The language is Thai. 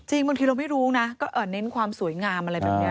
บางทีเราไม่รู้นะก็เน้นความสวยงามอะไรแบบนี้